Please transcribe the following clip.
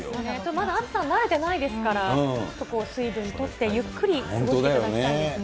まだ暑さ、慣れてないですから、ちょっと水分とって、ゆっくり過ごしていただきたいですね。